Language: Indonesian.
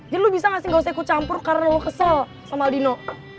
jadi lo bisa gak sih gak usah ikut campur karena lo kesel sama aldino